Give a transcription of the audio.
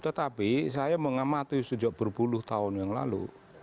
tetapi saya mengamati sejak berpuluh tahun yang lalu